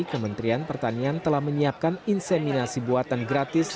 kementerian pertanian telah menyiapkan inseminasi buatan gratis